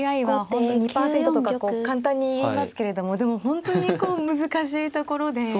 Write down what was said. ＡＩは本当２％とか簡単に言いますけれどもでも本当にこう難しいところで。